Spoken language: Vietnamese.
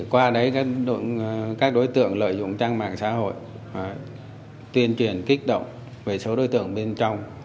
qua đấy các đối tượng lợi dụng trang mạng xã hội tuyên truyền kích động về số đối tượng bên trong